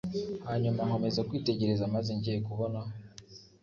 hanyuma nkomeza kwitegereza maze ngiye kubona